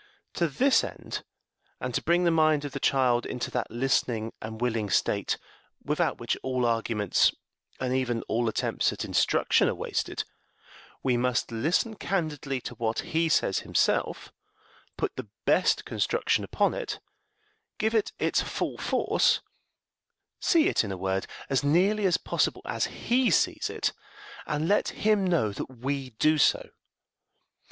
To this end, and to bring the mind of the child into that listening and willing state without which all arguments and even all attempts at instruction are wasted, we must listen candidly to what he says himself, put the best construction upon it, give it its full force; see it, in a word, as nearly as possible as he sees it, and let him know that we do so.